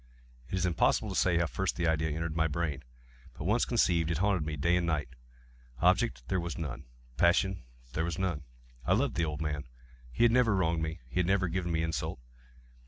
It is impossible to say how first the idea entered my brain; but once conceived, it haunted me day and night. Object there was none. Passion there was none. I loved the old man. He had never wronged me. He had never given me insult.